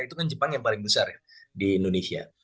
itu kan jepang yang paling besar ya di indonesia